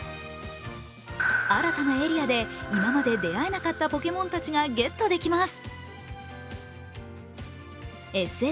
新たなエリアで今まで出会えなかったポケモンたちがゲットできます。